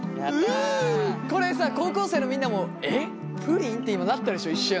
これさ高校生のみんなもえプリン？って今なったでしょ一瞬。